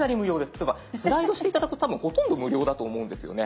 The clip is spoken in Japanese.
というかスライドして頂くと多分ほとんど無料だと思うんですよね。